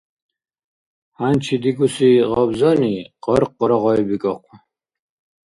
ХӀянчи дигуси гъабзани къаркъара гъайбикӀахъу.